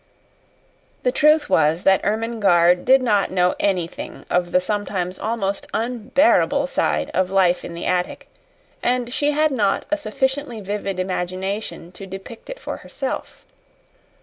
The truth was that Ermengarde did not know anything of the sometimes almost unbearable side of life in the attic and she had not a sufficiently vivid imagination to depict it for herself.